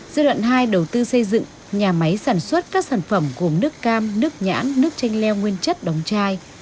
giai đoạn hai đầu tư xây dựng nhà máy sản xuất các sản phẩm gồm nước cam nước nhãn nước chanh leo nguyên chất đóng chai